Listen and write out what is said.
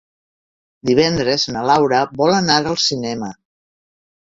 Divendres na Laura vol anar al cinema.